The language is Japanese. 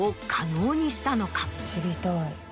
知りたい。